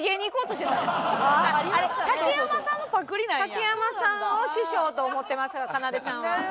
竹山さんを師匠と思ってますからかなでちゃんは。